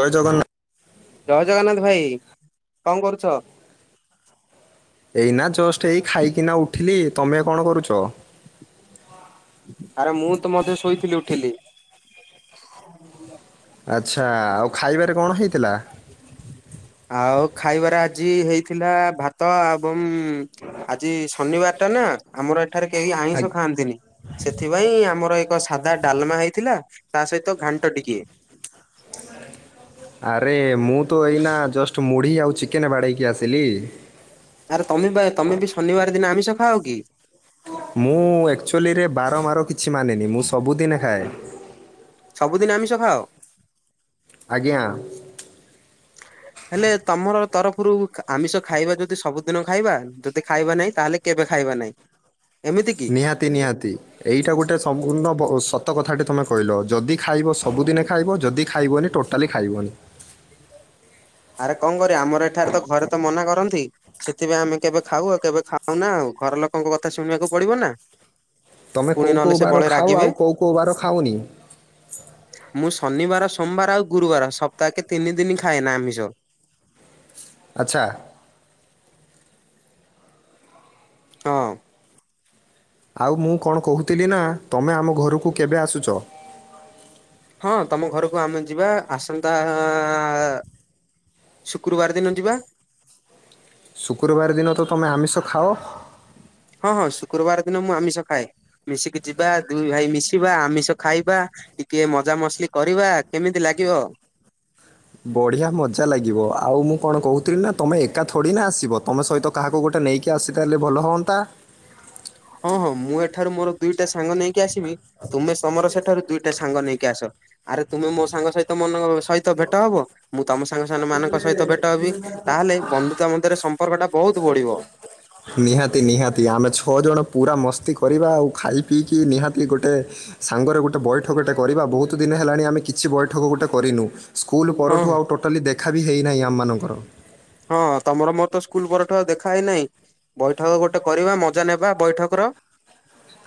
ଜୟ ଜଗ ଜୟ ଜଗନ୍ନାଥ ଭାଇ। କଣ କରୁଛ? ଏଇନା ଜଷ୍ଟ ଏଇ ଖାଇକିନା ଉଠିଲି। ତମେ କଣ କରୁଚ? ଆରେ ମୁଁ ତ ମଧ୍ୟ ଶୋଇଥିଲି ଉଠିଲି। [unintelligible] ଆଚ୍ଛା ଆଉ ଖାଇବାରେ କଣ ହେଇଥିଲା? ଆଉ ଖାଇବାରେ ଆଜି ହେଇଥିଲା ଭାତ ଆବଂ ଆଜି ଶନିବାରଟା ନା ଆମର ଏଠାରେ କେହି ଆଇଁଷ ଖାଆନ୍ତିନି। ସେଥି ସେଥିପାଇଁ ଆମର ଏକ ସାଧା ଡାଲମା ହେଇଥିଲା ତା ସହିତ ଘାଣ୍ଟ ଟିକେ। ଆରେ ମୁଁ ତ ଏଇନା ଜଷ୍ଟ ମୁଢି ଆଉ ଚିକେନ ବାଡେଇକି ଆସିଲି। ଆରେ ତମେ ବା ତମେ ବି ଶନିବାର ଦିନ ଆମିଷ ଖାଅ କି? ମୁଁ ଆକଚ୍ୟୁଲିରେ ବାର ମାର କିଛି ମାନେନି ମୁଁ ସବୁ ଦିନେ ଖାଏ। ସବୁଦିନ ଆମିଷ ଖାଅ? ଆଜ୍ଞା। ହେଲେ ତମର ତରଫରୁ ଆମିଷ ଖାଇବା ଯଦି ସବୁଦିନ ଖାଇବା ଯଦି ଖାଇବା ନାହିଁ ତାହେଲେ କେବେ ଖାଇବା ନାହିଁ। ଏମିତି କି? ନିହାତି ନିହାତି। ଏଇଟା ଗୋଟେ ସମ୍ଭୁର୍ଣ୍ଣ ବ ସତ କଥାଟି ତମେ କହିଲ। ଯଦି ଖାଇବ ସବୁଦିନେ ଖାଇବ ଯଦି ଖାଇବନି ଟୋଟାଲି ଖାଇବନି। ଆରେ କଣ କରିବା ଆମର ଏଠାରେ ତ ଘରେ ତ ମନା କରନ୍ତି। ସେଥିପାଇଁ ଆମେ କେବେ ଖାଉ ଆଉ କେବେ ଖାଉନା ଆଉ। ଘର ଲୋକଙ୍କ କଥା ଶୁଣିବାକୁ ପଡିବ ନା। ତମେ ପୁଣି କୋଉ ନହେଲେ କୋଉ ସେ ବାର ବଳେ ଖାଅ ରାଗିବେ। ଆଉ କୋଉ କୋଉ ବାର ଖାଅନି? ମୁଁ ଶନିବାର, ସୋମବାର ଆଉ ଗୁରୁବାର ସପ୍ତାଏକେ ତିନି ଦିନି ଖାଏ ନା ଆମିଷ। ଆଚ୍ଛା। ହଁ। ଆଉ ମୁଁ କଣ କୋହୁଥିଲି ନା ତମେ ଆମ ଘରକୁ କେବେ ଆସୁଚ? ହଁ ତମ ଘରକୁ ଆମେ ଯିବା ଆସନ୍ତାଆ [unintelligible] ଶୁକ୍ରବାର ଦିନ ଯିବା। ଶୁକ୍ରବାର ଦିନ ତ ତମେ ଆମିଷ ଖାଅ? ହଁ ହଁ ଶୁକ୍ରବାର ଦିନ ମୁଁ ଆମିଷ ଖାଏ। ମିଶିକି ଯିବା ଦୁଇ ଭାଇ ମିଶିବା ଆମିଷ ଖାଇବା। ଟିକେ ମଜା ମସ୍ଲି କରିବା କେମିତି ଲାଗିବ? ବଢିଆ ମଜା ଲାଗିବ ଆଉ ମୁଁ କଣ କୋହୁଥିଲି ନା ତମେ ଏକା ‍ଥୋଡି ନା ଆସିବ ତମ ସହିତ କାହାକୁ ଗୋଟେ ନେଇକି ଆସିତେଲେ ଭଲ ହଅନ୍ତା। ହଁ ହଁ ମୁଁ ଏଠାରୁ ମୋର ଦୁଇଟା ସାଙ୍ଗ ନେଇକି ଆସିବି। ତୁମେ ତମର ସେଠାରୁ ଦୁଇଟା ସାଙ୍ଗ ନେଇକି ଆସ। ଆରେ ତୁମେ ମୋ ସାଙ୍ଗ ସହିତ ମନ ସହିତ ଭେଟ ହବ। ମୁଁ ତମ ସାଙ୍ଗ ସାନ ମାନଙ୍କ ସହିତ ଭେଟ ହେବି। ତାହେଲେ ବନ୍ଧୁତା ମଧ୍ୟରେ ସମ୍ପର୍କଟା ବୋହୁତ ବଢିବ। [inaudible] ନିହାତି ନିହାତି ଆମେ ଛଅ ଜଣ ପୁରା ମସ୍ତି କରିବା, ଆଉ ଖାଇ ପିଇକି ନିହାତି ଗୋଟେ ସାଙ୍ଗରେ ଗୋଟେ ବୈଠକଟେ କରିବା ବୋହୁତ ଦିନେ ହେଲାଣି ଆମେ କିଛି ବୈଠକ ଗୋଟେ କରିନୁ। ସ୍କୁଲ ହଁ ପରଠୁ ଆଉ ଟୋଟାଲି ଦେଖା ବି ହେଇନାହିଁ ଆମମାନଙ୍କର। ହଁ ତମର ମୋର ତ ସ୍କୁଲ୍ ପରଠୁ ଆଉ ଦେଖା ହେଇନାଇଁ। ବୈଠକ ଗୋଟେ କରିବା ମଜା ନେବା ବୈଠକର।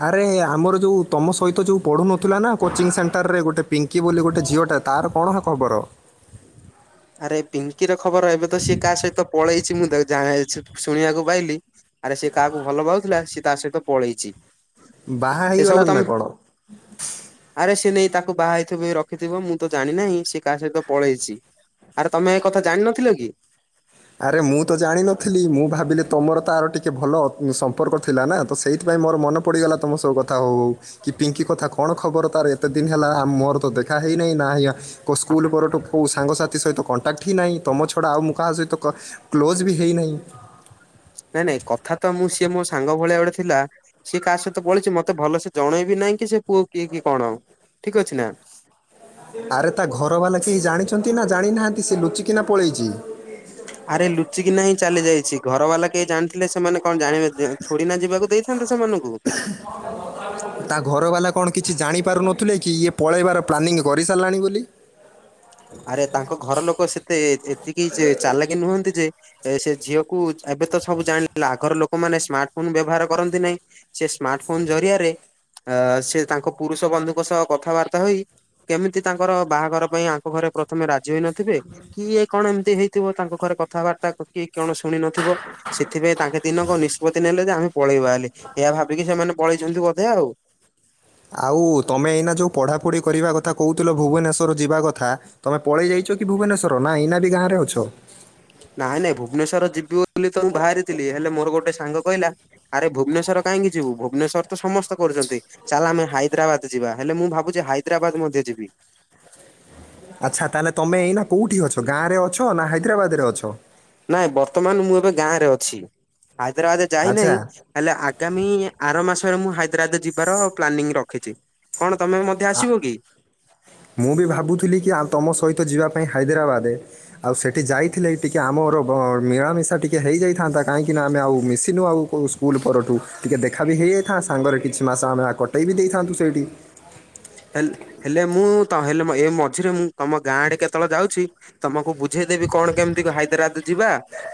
ଆରେ ଆମର ଯୋଉ ତମ ସହିତ ଯୋଉ ପଡୁନଥିଲା ନା କୋଚିଂ ସେଣ୍ଟରରେ ଗୋଟେ ପିଙ୍କି ବୋଲି ଗୋଟେ ଝିଅଟା। ତାର କଣ ହା ଖବର? ଆରେ ପିଙ୍କିର ଖବର ଏବେ ତ ସିଏ କା ସହିତ ପଳେଇଛି ମୁ ତା ଜା ଶୁଣିବାକୁ ପାଇଲି। ଆରେ ସିଏ କାହାକୁ ଭଲ ପାଉଥିଲା ସିଏ ତା ସହିତ ପଳେଇଚି ବାହା ଏସବୁ ହେଇଗଲାଣି ତମେ ନା କଣ ଆରେ ସେ ନେଇ ତାକୁ ବାହା ହେଇଥିବ ରଖିଥିବ ମୁଁ ତ ଜାଣିନାହିଁ ସିଏ କାହା ସହିତ ପଳେଇଛି। ଆରେ ତମେ ଏ କଥା ଜାଣିନଥିଲ କି? ଆରେ ମୁଁ ତ ଜାଣିନଥିଲି ମୁଁ ଭାବିଲି ତମର ତାର ଟିକେ ଭଲ ସ ମ୍ପର୍କ୍ ଥିଲା ନା ତ ସେଇଥିପାଇଁ ମୋର ମନ ପଡିଗଲା ତମ ସ କଥା ହଉ-ହଉ କି ପିଙ୍କି କଥା କଣ ଖବର ତାର କେତେ ଦିନ୍ ହେଲା ମୋର ତ ଦେଖା ହେଇନାହିଁ ନା ହିଆ କଉ ସ୍କୁଲ୍ ପରଠୁ କୋଉ ସାଙ୍ଗସାଥି ସହିତ କଣ୍ଟାକ୍ ଠି ନାହିଁ ତମ ଛଡ଼ା ଆଉ ମୁଁ କାହା ସହିତ କ କ୍ଲୋଜ୍ ବି ହେଇନାହିଁ। ନାଇଁ-ନାଇଁ କଥା ତ ମୁଁ ସିଏ ମୋ ସାଙ୍ଗ ଭଳିଆ ଗୋଟେ ଥିଲା ସିଏ କାହା ସହିତ ପଳେଇଚି ମତେ ଭଲସେ ଜଣେଇବି ନାହିଁ କି ସେ ପୁଅ କିଏ କି କଣ ଠିକ୍ ଅଛି ନା। ଆରେ ତା ଘର ବାଲା କେହି ଜାଣିଛନ୍ତି ନା ଜାଣିନାହାଁନ୍ତି ସେ ଲୁଚିକିନା ପଳେଇଚି। ଆରେ ଲୁଚିକିନା ହିଁ ଚାଲି ଯାଇଛି ଘର ବାଲା କେହି ଜାଣିଥିଲେ ସେମାନେ କଣ ଜାଣେ ଛୁଡି ନା ଯିବାକୁ ଦେଇ ନ୍ତେ ସେମାନଙ୍କୁ। ତା ଘର ବାଲା କଣ କିଛି ଜାଣିପାରୁନଥିଲେ କି ଇଏ ପଳେଇବାର ପ୍ଲାନିଂ କରିସାରିଲାଣି ବୋଲି? ଆରେ ତାଙ୍କ ଘର ଲୋକ ସେତେ ଏତିକି ଚାଲା କିି ନୁହନ୍ତି ଯେ ଏ ସେ ଝିଅକୁୁ ଏବେ ତ ସବୁ ଜାଣିଲା ଆଗର ଲୋକମାନେ ସ୍ମାର୍ଟ୍ ଫୋନ୍ ବ୍ୟବହାର କରନ୍ତି ନାଇଁ। ‍ ସିଏ ସ୍ମାର୍ଟ୍ ଫୋନ୍ ଜରିଆରେ ଅ ସେ ତାଙ୍କ ପୁରୁଷ ବନ୍ଧୁଙ୍କ ସହ କଥାବାର୍ତ୍ତା ହୋଇ, କେମିତି ତାଙ୍କର ବାହାଘର ପାଇଁ ତାଙ୍କ ଘରେ ପ୍ରଥମେ ରାଜି ହୋଇ ନଥିବେ କି ଇଏ କଣ ଏମିତି ହେଇଥିବ ତାଙ୍କ ଘରେ କଥାବାର୍ତ୍ତା କି କଣ ଶୁଣି ନଥିବ ସେଥିପାଇଁ ତାଙ୍କେ ଦିନକ ନିଷ୍ପତ୍ତି ନେଲେ ଯେ ଆମେ ପଳେଇବା ହେଲେ ଏହା ଭାବିକି ସେମାନେ ପଳେଇଛନ୍ତି ବୋଧେ ଆଉ। ଆଉ ତମେ ଏଇନା ଯୋଉ ପଢାପଢି କରିବା କଥା କହୁଥିଲ ଭୁବନେଶ୍ଵର ଯିବା କଥା ତୁମେ ପଳାଇ ଯାଇଛ କି ଭୁବନେଶ୍ୱର, ନା ଏଇନା ବି ଗାଁରେ ଅଛ? ନାଇଁ ନାଇଁ ଭୁବନେଶ୍ୱର ଯିବି ବୋଲି ତ ମୁଁ ବାହାରିଥିଲି ହେଲେ ମୋର ଗୋଟେ ସାଙ୍ଗ କହିଲା ଆରେ ଭୁବନେଶ୍ୱର କାହିଁକି ଯିବୁ ଭୁବନେଶ୍ୱର ତ ସମସ୍ତେ କରୁଛନ୍ତି। ଚାଲ ଆମେ ହାଇଦ୍ରାବାଦ ଯିବା ହେଲେ ମୁଁ ଭାବୁଛି ହାଇଦ୍ରାବାଦ ମଧ୍ୟ ଯିବି। ଆଚ୍ଛା ତା ହେଲେ ତୁମେ ଏଇନା କେଉଁଠି ଅଛ ଗାଁରେ ଅଛ ନା ହାଇଦ୍ରାବାଦରେ ଅଛ? ନାଇଁ ବର୍ତ୍ତମାନ ମୁଁ ଏବେ ଗାଁ ରେ ଅଛି, ହାଇଦ୍ରାବାଦ ଯାଇ ଆଚ୍ଛା ନାହିଁ। ହେଲେ ଆଗାମୀ ଆର ମାସରେ ମୁଁ ହାଇଦ୍ରାବାଦ ଯିବାର ପ୍ଲାନିଂ ରଖିଛି। କଣ ତମେ ମଧ୍ୟ ଆ- ଆସିବ କି? ମୁଁ ବି ଭାବୁଥିଲି କି ଆଉ ତମ ସହିତ ଯିବା ପାଇଁ ହାଇଦ୍ରାବାଦ ଆଉ ସେଇଠି ଯାଇ ଥିଲେ ଟିକେ ଆମର ବନ୍ ମିଳାମିଶା ଟିକେ ହୋଇଯାଇଥାନ୍ତା କାହିଁକିନା ଆମେ ଆଉ ମିଶିନୁ ଆଉ କେଉଁ ସ୍କୁଲ ପରଠୁ ଟିକେଏ ଦେଖା ବି ହେଇଯାଇ ଥା ସାଙ୍ଗରେ କିଛି ମାସ ଆମେ କଟେଇ ବି ଦେଇଥାନ୍ତୁ ସେଇଠି। ହେଲେ ହେଲେ ମୁଁ ହେଲେ ଏ ମଝିରେ ମୁଁ ତମ ଗାଁ ଆଡେ କେତେବେଳେ ଯାଉଛି ତମକୁ ବୁ ଝେଇ ଦେବି କଣ କେମିତି ହାଇଦ୍ରାବାଦ ଯିବା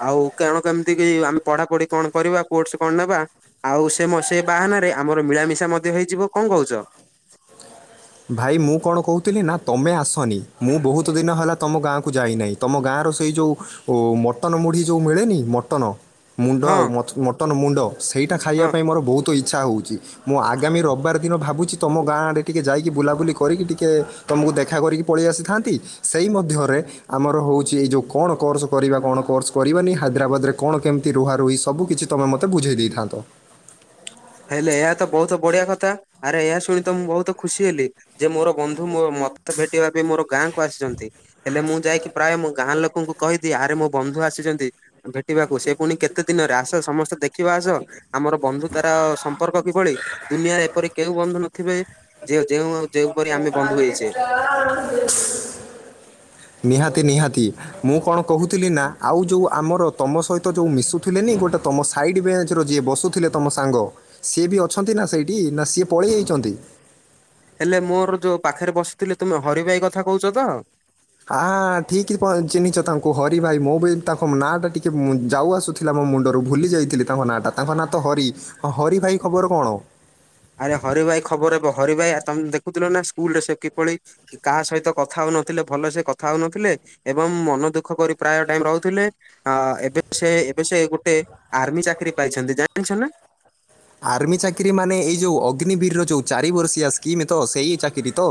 ଆଉ କଣ କେମିତି ଆମେ ପଢାପଢି କଣ କରିବା କୋର୍ସ କଣ ନବା? ଆଉ ସେ ସେ ବାହାନାରେ ଆମର ମିଳାମିଶା ମଧ୍ୟ ହେଇଯିବ, କଅଁ କହୁଛ? ଭାଇ ମୁଁ କଣ କହୁଥିଲି ନା ତୁମେ ଆସନି, ମୁଁ ବହୁତ ଦିନ ହେଲା ତୁମ ଗାଁକୁ ଯାଇନାହିଁ। ତମ ଗାଁର ସେଇ ଯୋଉ ମଟନ ମୁଢ଼ି ଯୋଉ ମିଳେନି ମଟନ ମୁଣ୍ଡ ହଁ ଆଉ ମଟନ ମୁଣ୍ଡ ସେଇଟା ହଁ। ଖାଇବା ପାଇଁ ମୋର ବହୁତ ଇଚ୍ଛା ହେଉଛି। ମୁଁ ଆଗାମୀ ରବିବାର ଦିନ ଭାବୁଛି ତମ ଗାଁ ଆଡେ ଟିକେ ଯାଇ ବୁଲାବୁଲି କରିକି ଟିକେ ତୁମକୁ ଦେଖା କରିକି ପଳେଇ ଆସିଥାନ୍ତି। ସେଇ ମଧ୍ୟରେ ଆମର ହଉଛି ଏଇ ଯୋଉ କଣ କୋର୍ସ କରିବା କଣ କୋସ କରିବାନି ହାଇଦ୍ରାବାଦ ରେ କଣ କେମିତି ରୁହା ରୁହି ସବୁ କିଛି ତମେ ମତେ ବୁଝେଇ ଦେଇଥାନ୍ତ। ହେଲେ ଏହା ତ ବହୁତ ବଢିଆ କଥା ଆରେ ଏହା ଶୁଣି ତ ମୁଁ ବହୁତ ଖୁସି ହେଲି ଯେ ମୋର ବନ୍ଧୁ ମୋ ମୁଁ ମତେ ଭେଟିବା ପାଇଁ ମୋର ଗାଁ କ ଆସିଛନ୍ତି, ହେଲେ ମୁଁ ଯାଇକି ପ୍ରାୟ ମୁଁ ଗାଁ ଲୋକଙ୍କୁ କହିଦିଏ ଆରେ ମୋ ବନ୍ଧୁ ଆସିଛନ୍ତି। ଭେଟିବାକୁ ସେ ପୁଣି କେତେ ଦିନରେ ଆସ ସମସ୍ତେ ଦେଖିବା ଆସ ଆମର ବନ୍ଧୁ ତାର ସ ମ୍ପର୍କ କିଭଳି ଦୁନିଆରେ ଏପରି କେଉଁ ବନ୍ଧୁ ନଥିବେ ଯେ ଯେଉ ଯେଉଁପରି ଆମେ ବନ୍ଧୁ ହେଇଛେ। [unintelligible] ନିହାତି ନିହାତି ମୁଁ କଣ କହୁଥିଲି ନା ଆଉ ଯଉ ଆମର ତମ ସହିତ ତ ଯଉ ମିଶୁଥିଲେନି ଗୋଟେ ତମ ସାଇଡ୍ ବେଞ୍ଚ ର ଯିଏ ବସୁଥିଲେ ତମ ସାଙ୍ଗ। ସିଏ ବି ଅଛନ୍ତି ନା ସେଇଠି, ନା ସିଏ ପଳେଇଯାଇଛନ୍ତି? ହେଲେ ମୋର ଯୋଉ ପାଖରେ ବସିଥିଲେ ତୁମେ ହରି ଭାଇ କଥା କହୁଛ ତ? ହା ଠିକ୍ ପ ଚିହ୍ନିଛ ତାଙ୍କୁ ହରି ଭାଇ ମୁଁ ବି ତାଙ୍କ ନାଁ ଟା ଟିକେ ଯାଉ ଆସୁ ଥିଲା ମୋ ମୁଣ୍ଡରୁ ଭୁଲି ଯାଇଥିଲି ତାଙ୍କ ନାଁଟା, ତାଙ୍କ ନାଁ ତ ହରି ହଁ ହରି ଭାଇ ଖବର କଣ? ଆରେ ହରି ଭାଇ ଖବର ହେବ ହରି ଭାଇ ତମେ ଦେଖୁଥିଲ ନା ସ୍କୁଲ ରେ ସେ କିଭଳି? କା ସହିତ କଥା ହଉନଥିଲେ ଭଲ ସେ କଥା ହଉ ନଥିଲେ। ଏବଂ ମନ ଦୁଃଖ କରି ପ୍ରାୟ ଟାଇମ ରହୁଥିଲେ। ହ ଏବେ ସେ ଏବେ ସେ ଗୋଟେ ଆର୍ମି ଚାକିରି ପାଇଛନ୍ତି ଜାଣିଛ ନା? ଆର୍ମି ଚାକିରି ମାନେ ଏଇ ଯେଉଁ ଅଗ୍ନିବୀର ର ଯେଉଁ ଚାରି ବର୍ଷିଆ ସ୍କିମ୍ ତ ସେଇ ଚାକିରି ତ?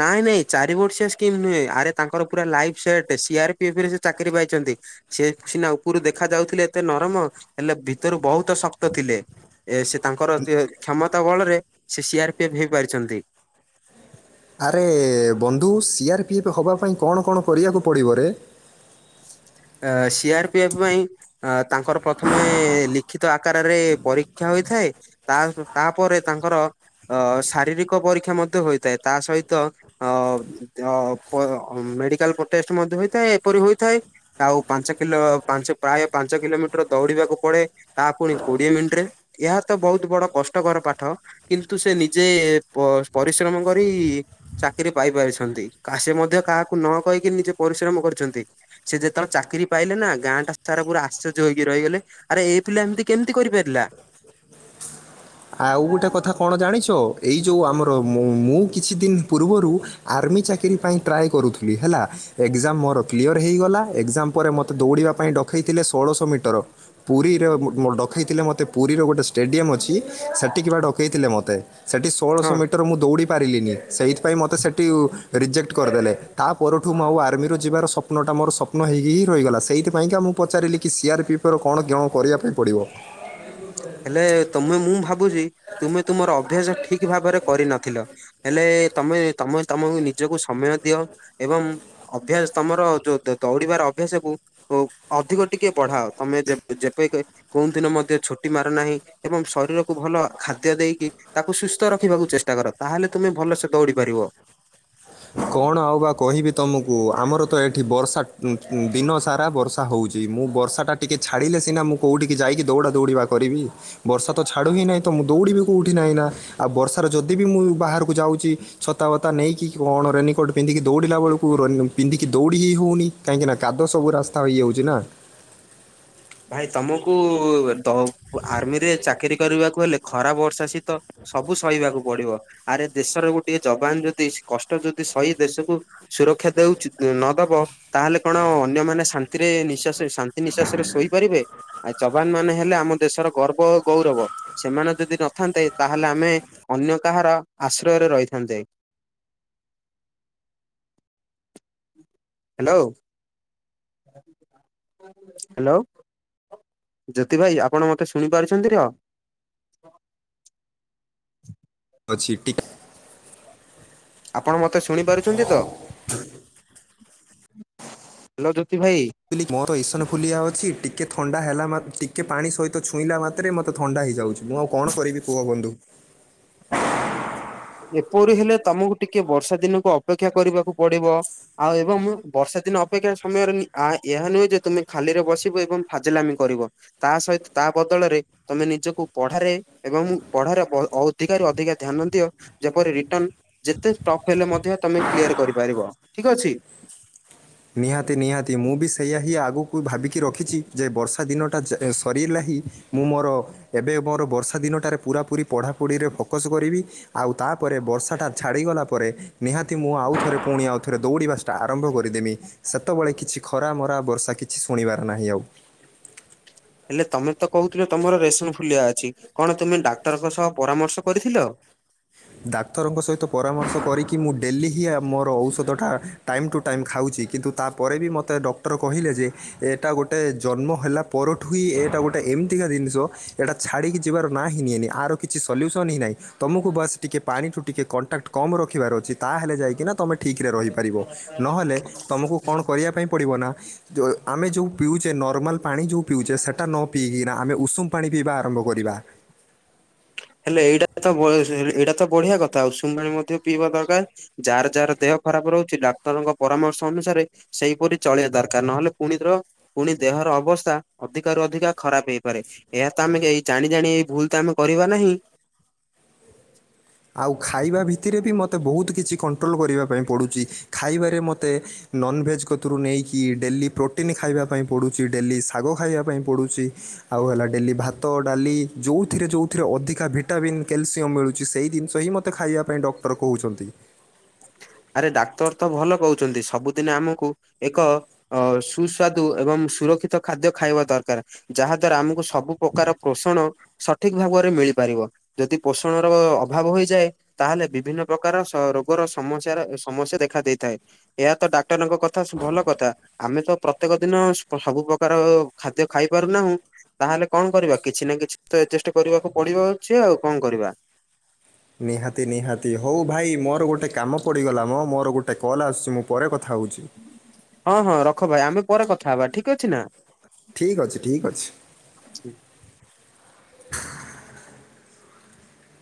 ନାଇଁ ନାଇଁ ଚାରି ବର୍ଷଆ ସ୍କିମ୍ ନୁହେଁ ଆରେ ତାଙ୍କର ପୁରା life set C R P F ରେ ସେ ଚାକିରି ପାଇଛନ୍ତି। ସେ ସିନା ଉପରୁ ଦେଖା ଯାଉଥିଲେ ଏତେ ନରମ, ହେଲେ ଭିତରୁ ବହୁତ ଶ ତ ଥିଲେ ଏ ସେ ତାଙ୍କର କ୍ଷମତା ବଳରେ ସେ ସି ଆର ପି ଏଫ୍ ହେଇପାରିଛନ୍ତି। ଆରେ ବନ୍ଧୁ ସି ଆର୍ ପି ଏଫ୍ ହେବା ପାଇଁ କଣ କଣ କରିବାକୁ ପଡ଼ିବ ରେ? ଏ ସି ଆର୍ ପି ଏଫ୍ ପାଇଁ ଅ ତାଙ୍କର ପ୍ରଥମେ ଲିଖିତ ଆକାରରେ ପରୀକ୍ଷା ହୋଇଥାଏ। ତା ତାପରେ ତାଙ୍କର ଅ ଶାରୀରିକ ପରୀକ୍ଷା ମଧ୍ୟ ହୋଇଥାଏ ତା ସହିତ ଅ ମଧ୍ୟ ପ ମେଡିକାଲ ଟେଷ୍ଟ ମଧ୍ୟ ହୋଇଥାଏ ଏପରି ହୋଇଥାଏ। ଆଉ ପାଞ୍ଚ କିଲୋ ପାଞ୍ଚ ପ୍ରାୟ ପାଞ୍ଚ କିଲୋମିଟର ଦୌଡିବାକୁ ପଡେ ତାହା ପୁଣି କୋଡିଏ ମିଣ୍ଟିରେ। ଏହା ତ ବହୁତ ବଡ କଷ୍ଟକର ପାଠ। କିନ୍ତୁ ସେ ନିଜେ ପ ପରିଶ୍ରମ କରି ଚାକିରି ପାଇ ପାରିଛନ୍ତି, କା ସେ ମଧ୍ୟ କାହାକୁ ନ କହିକି ନିଜେ ପରିଶ୍ରମ କରିଛନ୍ତି। ସେ ଯେତେବେଳେ ଚାକିରି ପାଇଲେ ନା ଗାଁ ଟା ସାରା ପୁରା ଆଶ୍ଚର୍ଯ୍ୟ ହୋଇକି ରହିଗଲେ। ଆରେ ଏଇ ପିଲା ଏମିତି କେମିତି କରିପାରିଲା? ଆଉ ଗୋଟେ କଥା କଣ ଜାଣିଛ ଏଇ ଯେଉ ଆମର ମୁ, ମୁଁ କିଛି ଦିନ ପୂର୍ବରୁ ଆର୍ମି ଚାକିରିୀ ପାଇଁ ଟ୍ରାଏ କରୁଥିଲି ହେଲା। ଏକ୍ଜାମ ମୋର କ୍ଲିୟର ହେଇଗଲା, ଏକ୍ଜାମ ପରେ ମୋତେ ଦୌଡ଼ିବା ପାଇଁ ଡ ଡକାଇଥିଲେ ଷୋଳଶହ ମିଟର ପୁରୀରେ ଡକାଇଥିଲେ ମୋତେ ପୁରୀର ଗୋଟେ ଷ୍ଟାଡ଼ିୟମ୍ ଅଛି। ସେଠି କି ପା ଡକେଇଥିଲେ ମତେ ସେଠି ହଁ ସୋଳଶହ ମିଟର ମୁଁ ଦୌଡି ପାରିଲିନି ସେଇଥି ପାଇଁ ମତେ ସେଠ ରିଜେକ୍ଟ କରିଦେଲେ ତା ପରଠୁ ମୁଁ ଆଉ ଆର୍ମିରେ ଯିବାର ସ ସ୍ୱପ୍ନଟ ମୋର ସପ୍ନ ହୋଇକି ହି ରହିଗଲା ସେଇଥିପାଇଁକା ମୁଁ ପଚାରିଲି କି ସିଆର୍ ପିଏଫ୍ ର କଣ କଣ କରିବା ପାଇଁ ପଡ଼ିବ? ହେଲେ ତମେ ମୁଁ ଭାବୁଛି ତୁମେ ତୁମର ଅଭ୍ୟାସ ଠିକ୍ ଭାବରେ କରିନଥିଲ। ହେଲେ ତମେ ତମେ ତମକୁ ନିଜକୁ ସମୟ ଦିଅ ଏବଂ ଅଭ୍ୟାସ ତମର ଯୋଉ ଦୋ ଦୌଡିବାର ଅଭ୍ୟାସ ଏବଂ ଓ ଅଧିକ ଟିକେ ବଢାଅ ତମେ ଯେ ଯେବେ କେଉଁଦିନ ମଧ୍ୟ ଛୁ ଟି ମାର ନାହିଁ ଏବଂ ଶରୀରକୁ ଭଲ ଖାଦ୍ୟ ଦେଇକି ତାକୁ ସୁସ୍ଥ ରଖିବାକୁ ଚେଷ୍ଟା କର ତାହେଲେ ତୁମେ ଭଲସେ ଦୌଡ଼ି ପାରିବ। କଣ ଆଉ ବା କହିବି ତମକୁ ଆମର ତ ଏଠି ବର୍ଷା କୁଁ-କୁ ଦିନ ସାରା ବର୍ଷା। ତା ହଉଚି ମୁଁ ବର୍ଷାଟା ଟିକେ ଛାଡ଼ିଲେ ସିନା ମୁଁ କୋଉଠିକି ଯାଇକି ଦୌଡ଼ା ଦୌଡ଼ିବା କରିବି। ବର୍ଷା ତ ଛାଡୁ ହିଁ ନାହିଁ ତ ମୁଁ ଦୌଡିିବି କୋଉଠି ନା ଏଇନା? ଆଉ ବର୍ଷାର ଯଦି ବି ମୁଁ ବାହାରକୁ ଯାଉଛି ଛତାବତା ନେଇକି କଣ ରେନିକୋଟ୍ ପିନ୍ଧିକି ଦୌଡ଼ିଲା ବେଳକୁ ପିନ୍ଧିକି ଦୌଡ଼ି ହି ହେଉନି କାହିଁକିନା କାଦୁଅ ସବୁ ରାସ୍ତା ହେଇଯାଉଛି ନା। ଭାଇ ତମକୁ ତ ଆର୍ମିରେ ଚାକିରୀ କରିବାକୁ ହେଲେ ଖରା, ବର୍ଷା, ଶୀତ ସବୁ ସହିବାକୁ ପଡିବ, ଆରେ ଦେଶର ଗୋଟିଏ ଯବାନ ଯଦି କଷ୍ଟ ଯଦି ସହି ଦେଶକୁ ସୁରକ୍ଷା ଦଉଛି ନଦବ ତାହେଲେ କଣ ଅନ୍ୟମାନେ ଶାନ୍ତିରେ ନିଶ୍ୱାସ ଶାନ୍ତି ନିଶ୍ୱାସ ରେ ଶୋଇପାରିବେ ଆ ଯବାନ ମାନେ ହେଲେ ଆମ ଦେଶର ଗର୍ବ ଓ ଗୌରବ। ସେମାନେ ଯଦି ନଥାନ୍ତେ ତାହେଲେ ଆମେ ଅନ୍ୟ କାହାର ଆଶ୍ରୟରେ ରହିଥାନ୍ତେ। ହାଲୋ। ହାଲୋ। ଜ୍ୟୋତି ଭାଇ ଆପଣ ମତେ ଶୁଣିପାରୁଛନ୍ତି ର? ଅଛି ଟିକ୍। ଆପଣ ମତେ ଶୁଣି ପାରୁଛନ୍ତି ତ, ହାଲୋ ଜୋତି ଭାଇ। ମୁ କହିଲି ମୋର ଇସନଫୁଲିଆ ଅଛି ଟିକେ ଥଣ୍ଡା ହେଲା ମା ଟିକେ ପାଣି ସହିତ ଛୁଇଁ ମାତ୍ରେ ମତେ ଥଣ୍ଡା ହେଇଯାଉଛି। ମୁଁ ଆଉ କଣ କରିବି କୁହ ବନ୍ଧୁ। ଏପରି ହେଲେ ତମକୁ ଟିକେ ବର୍ଷାଦିନକୁ ଅପେକ୍ଷା କରିବାକୁ ପଡିବ। ଆଉ ଏବଂ ବର୍ଷା ଦିନ ଅପେକ୍ଷା ସମୟରେ ଆ ଏହା ନୁହେଁ ଯେ ତୁମେ ଖାଲିରେ ବସିବ ଏବଂ ଫାଜିଲାମି କରିବ। ତା ସହିତ ତା ବଦଳରେ ତମେ ନିଜକୁ ପଢାରେ ଏବଂ ପଢରେ ଅଧିକାରୁ ଅଧିକା ଧ୍ୟାନ ଦିଅ। ଯେପରି ରିଟର୍ନ ଯେତେ ଟପ୍ ହେଲେ ମଧ୍ୟ ତମେ କ୍ଲିୟର କରିପାରିବ ଠିକ୍ ଅଛି। ନିହାତି ନିହାତି ମୁଁ ବି ସେୟା ହିଁ ଆଗକୁ ଭାବିକି ରଖିଛି ଯେ ବର୍ଷା ଦିନ ଅଟାଜ୍ ସରିଲା ହିଁ ମୁଁ ମୋର ଏବେ ମୋର ବର୍ଷା ଦିନଟାରେ ପୁରା ପୁରି ପଢ଼ାପଢ଼ିରେ ଫୋକସ୍ କରିବି। ଆଉ ତାପରେ ବର୍ଷା ଟା ଛାଡିଗଲା ପରେ ନିହାତି ମୁଁ ଆଉ ଥରେ ପୁଣି ଆଉଥରେ ଦୌଡିିବା ଟା ଆରମ୍ଭ କରିଦେମି ସେତେବେଳେ କିଛି ଖରା ମରା ବର୍ଷା କିଛି ଶୁଣିବାର ନାହିଁ ଆଉ। ହେଲେ ତମେ ତ କହୁଥିଲ ତମର ରେସମଫୁଲଆ ଅଛି କଣ ତୁମେ ଡାକ୍ତରଙ୍କ ସହ ପରାମର୍ଶ କରିଥିଲ। ଡାକ୍ତରଙ୍କ ସହିତ ପରାମର୍ଶ କରିକି ମୁଁ ଡେଲି ହିଁ ମୋର ଔଷଧଟା ଟାଇମ୍ ଟୁ ଟାଇମ୍ ଖାଉଛି କିନ୍ତୁ ତାପରେ ବି ମୋତେ ଡକ୍ଟର କହିଲେ ଯେ ଏଇଟା ଗୋଟେ ଜନ୍ମ ହେଲା ପରଠୁ ହି ଏଇଟା ଗୋଟେ ଏମିତିକା ଜିନିଷ ଏଇଟା ଛାଡ଼ିକି ଯିବାର ନାଁ ହିଁ ନିଏନି ଆର କିଛି ସଲ୍ୟୁସନ୍ ହିଁ ନାହିଁ ତୁମକୁ ବସ୍ ଟିକେ ପାଣିଠୁ ଟିକେ କଣ୍ଟାକ୍ଟ କମ୍ ରଖିବାର ଅଛି। ତାହେଲେ ଯାଇକିନା ତମେ ଠିକରେ ରହିପାରିବ, ନହେଲେ ତମକୁ କଣ କରିବା ପାଇଁ ପଡ଼ିବ ନା ଯେଉଁ ଆମେ ଯେଉଁ ପିଉଛେ ନର୍ମାଲ ପାଣି ଯେଉଁ ପିଉଛେ ସେଇଟା ନ ପିଇକିନା ଆମେ ଉଷୁମ ପାଣି ପିଇବା ଆରମ୍ଭ କରିବା। ହେଲେ ଏଇଟା ତ ଏଇଟା ତ ବଢିଆ କଥା ଆଉ ଉସୁମପାଣି ମଧ୍ୟ ପିଇବା ଦରକାର। ଯାହାର ଯାହାର ଦେହ ଖରାପ ରହୁଛି ଡାକ୍ତରଙ୍କ ପରାମର୍ଶ ଅନୁସାରେ ସେଇପରି ଚଳିବା ଦରକାର ନହେଲେ ପୁଣିଥର ପୁଣି ଦେହର ଅବସ୍ଥା ଅଧିକରୁ ଅଧିକା ଖରାପ ହେଇପାରେ। ଏହା ତ ଆମେ କେହି ଜାଣି ଜାଣି ଏଇ ଭୁଲ କାମ କରିବା ନାହିଁ। ଆଉ ଖାଇବା ଭିତରେ ବି ମୋତେ ବହୁତ କିଛି କଣ୍ଟ୍ରୋଲ କରିବା ପାଇଁ ପଡ଼ୁଛି ଖାଇବାରେ ମୋତେ ନନଭେଜ୍ କତିରୁ ନେଇକି ଡେଲି ପ୍ରୋଟିନ୍ ଖାଇବା ପାଇଁ ପଡ଼ୁଛି ଡେଲି ଶାଗ ଖାଇବା ପାଇଁ ପଡ଼ୁଛି। ଆଉ ହେଲା ଡେଲି ଭାତ ଡାଲି ଯୋଉଥିରେ ଯୋଉଥିରେ ଅଧିକା ଭିଟାମିନ୍ କ୍ୟାଲସିୟମ ମିଳୁଛି ସେଇ ଜିନିଷ ହିଁ ମୋତେ ଖାଇବା ପାଇଁ ଡକ୍ଟର କହୁଛନ୍ତି। ଆରେ ଡାକ୍ତରତ ଭଲ କହୁଛନ୍ତି ସବୁଦିନ ଆମକୁ ଏକ ଓ ସୁସ୍ୱାଦୁ ଏବଂ ସୁରକ୍ଷିତ ଖାଦ୍ୟ ଖାଇବା ଦରକାର। ଯାହାଦ୍ଵାରା ଆମକୁ ସବୁ ପ୍ରକାର ପୋଷଣ ସଠିକ ଭାବରେ ମିଳିପାରିବ। ଯଦି ପୋଷଣର ଅଭାବ ହୋଇଯାଏ ତାହେଲେ ବିଭିନ୍ନ ପ୍ରକାର ସରୋ ରୋଗର ସମସ୍ୟାର ସମସ୍ୟା ଦେଖା ଦେଇଥାଏ ଏହାତ ଡାକ୍ତରଙ୍କ କଥା ଭଲ କଥା ଆମେତ ପ୍ର ପ୍ରତ୍ୟେକ ଦିନ ସୁ ସବୁ ପ୍ରକାର ଖାଦ୍ୟ ଖାଇ ପାରୁନାହୁଁ। ତାହେଲେ କଣ କରିବା କିଛିନା କିଛିତ ଏଜେଷ୍ଟ କରିବାକୁ ପଡିବ ଅଛି ଆଉ କଣ କରିବା। ନିହାତି ନିହାତି ହଉ ଭାଇ ମୋର ଗୋଟେ କାମ ପଡ଼ିଗଲାମ ମୋର ଗୋଟେ କଲ୍ ଆସୁଛି ମୁଁ ପରେ କଥା ହଉଛି। ହଁ ହଁ ରଖ ଭାଇ ଆମେ ପରେ କଥା ହବା ଠିକ ଅଛି ନା। ଠିକଅଛି ଠିକଅଛି।